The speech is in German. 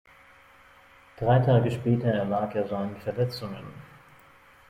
Drei Tage später erlag er seinen Verletzungen.